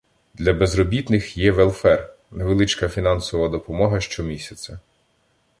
Для безробітних є велфер — невеличка фінансова допомога щомісяця